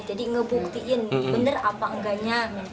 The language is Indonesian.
jadi ngebuktiin bener apa enggaknya